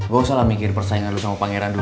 gue salah mikir persaingan lo sama pangeran dulu